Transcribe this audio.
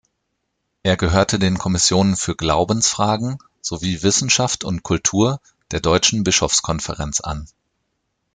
Er gehörte den Kommissionen für Glaubensfragen sowie Wissenschaft und Kultur der Deutschen Bischofskonferenz an.